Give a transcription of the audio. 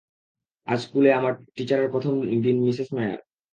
আজ স্কুলে আমার টিচারের প্রথম দিন মিসেস নায়ার।